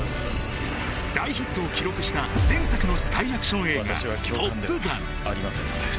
大ヒットを記録した前作のスカイアクション映画「トップガン」